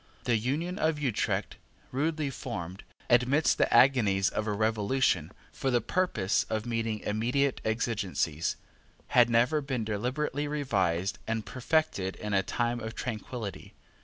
The Union of Utrecht, rudely formed, amidst the agonies of a revolution, for the purpose of meeting immediate exigencies, had never been deliberately revised and perfected in a time of tranquillity.